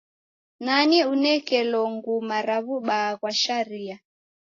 Nani unekelo nguma ra w'ubaa ghwa sharia?